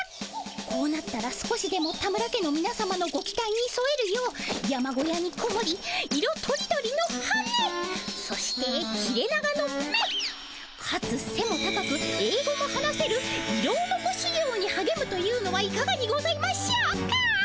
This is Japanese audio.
こうなったら少しでも田村家のみなさまのご期待にそえるよう山小屋にこもり色とりどりの羽そして切れ長の目かつせも高くえい語も話せるイロオノコしゅぎょうにはげむというのはいかがにございましょうか？